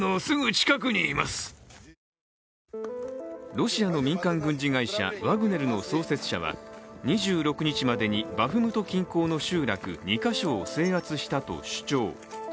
ロシアの民間軍事会社ワグネルの創設者は２６日までにバフムト近郊の集落２カ所を制圧したと主張。